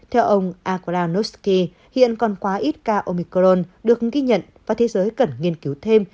theo ông aklanosky hiện còn quá ít ca omicron được ghi nhận và thế giới cần nghiên cứu thêm